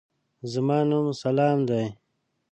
زما نوم سلام دی.